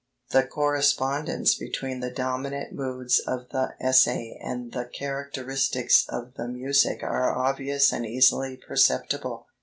The correspondence between the dominant moods of the essay and the characteristics of the music are obvious and easily perceptible.